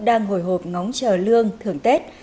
đang hồi hộp ngóng chờ lương thưởng tết